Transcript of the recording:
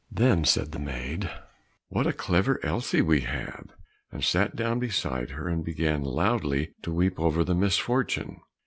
Then said the maid, "What a clever Elsie we have!" and sat down beside her and began loudly to weep over the misfortune.